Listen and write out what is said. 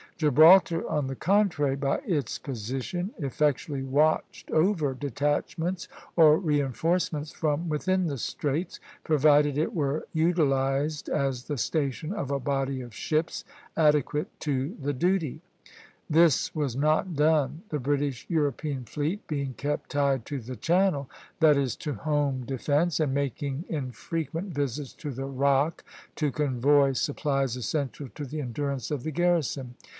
Gibraltar, on the contrary, by its position, effectually watched over detachments or reinforcements from within the Straits, provided it were utilized as the station of a body of ships adequate to the duty. This was not done; the British European fleet being kept tied to the Channel, that is, to home defence, and making infrequent visits to the Rock to convoy supplies essential to the endurance of the garrison.